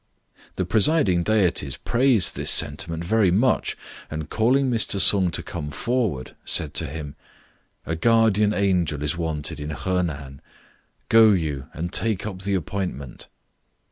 The presiding deities praised this sentiment very much, and calling Mr. Sung to come forward, said to him "A Guardian Angel is wanted in Honan. Go you and take up the appointment."